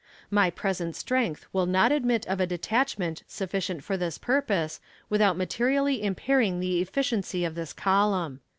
My present strength will not admit of a detachment sufficient for this purpose without materially impairing the efficiency of this column."